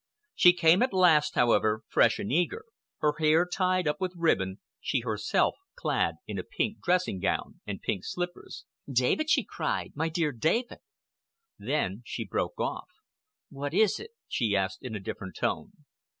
She came at last, however, fresh and eager; her hair tied up with ribbon, she herself clad in a pink dressing gown and pink slippers. "David!" she cried,—"my dear David—!" Then she broke off. "What is it?" she asked, in a different tone.